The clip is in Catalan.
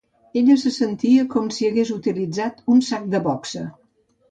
Ella se sentia com si hagués utilitzat un sac de boxa